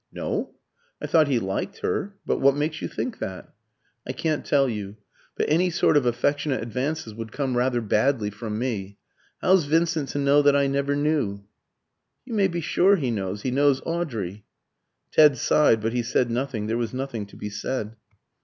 "No. I thought he liked her, but what makes you think that?" "I can't tell you. But any sort of affectionate advances would come rather badly from me. How's Vincent to know that I never knew?" "You may be sure he knows. He knows Audrey." Ted sighed, but he said nothing; there was nothing to be said.